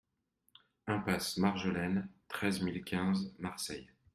Impasse Marjolaine, treize mille quinze Marseille